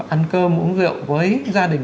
ăn cơm uống rượu với gia đình